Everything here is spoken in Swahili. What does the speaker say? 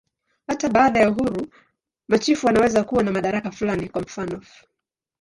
Hata baada ya uhuru, machifu wanaweza kuwa na madaraka fulani, kwa mfanof.